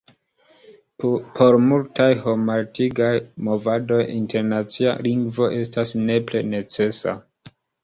Por multaj homaltigaj movadoj internacia lingvo estas nepre necesa.